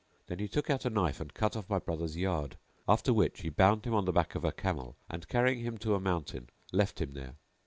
Then he took out a knife and cut off my brother's yard, after which he bound him on the back of a camel and, carrying him to a mountain, left him there.